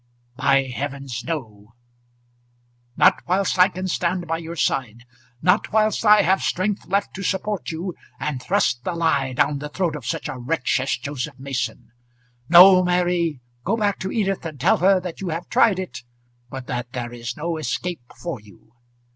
"By heavens, no; not whilst I can stand by your side. Not whilst I have strength left to support you and thrust the lie down the throat of such a wretch as Joseph Mason. No, Mary, go back to Edith and tell her that you have tried it, but that there is no escape for you."